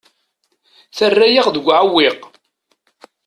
Terra-yaɣ deg uɛewwiq.